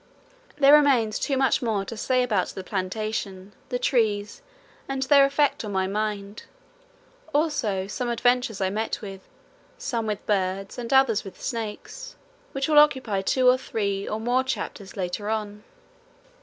There remains, too, much more to say about the plantation, the trees and their effect on my mind, also some adventures I met with, some with birds and others with snakes, which will occupy two or three or more chapters later on.